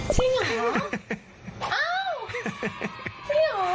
จริงหรอ